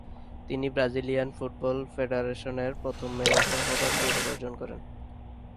তিনি Brazilian football কনফেডারেশনের প্রথম ম্যানেজার হবার গৌরব অর্জন করেন।